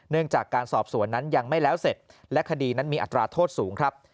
จากการสอบสวนนั้นยังไม่แล้วเสร็จและคดีนั้นมีอัตราโทษสูงครับ